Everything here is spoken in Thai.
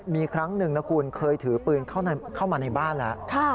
มีครั้งหนึ่งนะคุณเคยถือปืนเข้ามาในบ้านแล้ว